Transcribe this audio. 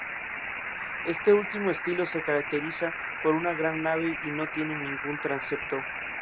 Este último estilo se caracteriza por una gran nave y no tiene ningún transepto.